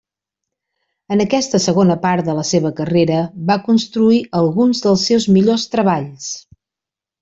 En aquesta segona part de la seva carrera va construir alguns dels seus millors treballs.